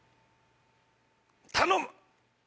頼む！